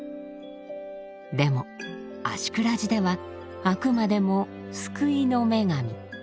でも芦峅寺ではあくまでも救いの女神。